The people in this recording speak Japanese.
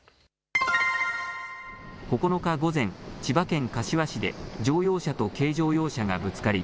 ９日午前、千葉県柏市で乗用車と軽乗用車がぶつかり